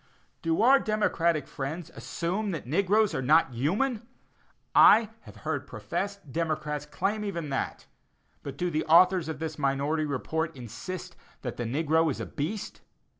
Do our democratic friends assume that the negroes are not human? I have heard professed democrats claim even that; but do the authors of this minority report insist that the negro is a beast?